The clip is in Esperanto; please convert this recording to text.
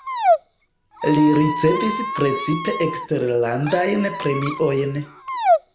Li ricevis precipe eksterlandajn premiojn.